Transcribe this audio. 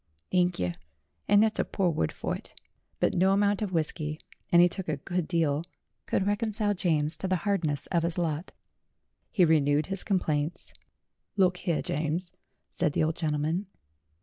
"Thank yer, and that's a pore word fur it." But no amount of whisky and he took a good deal could reconcile James to the hardness of his lot. He renewed his complaints. "Look here, James," said the old gentleman.